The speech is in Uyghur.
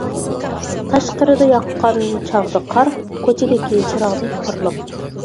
تاشقىرىدا ياققان چاغدا قار، كوچىدىكى چىراغدەك پارلاپ.